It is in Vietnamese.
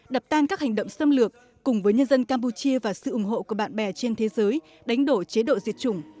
đập tan các hành động xâm lược cùng với nhân dân campuchia và sự ủng hộ của bạn bè trên thế giới đánh đổ chế độ diệt chủng